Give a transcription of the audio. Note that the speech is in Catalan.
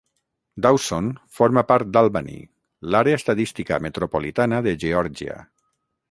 Dawson forma part d'Albany, l'àrea estadística metropolitana de Georgia.